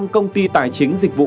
ba mươi năm công ty tài chính dịch vụ